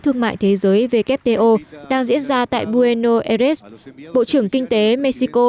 thương mại thế giới đang diễn ra tại buenos aires bộ trưởng kinh tế mexico